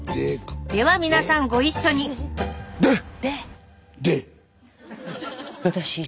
では皆さんご一緒にでっ！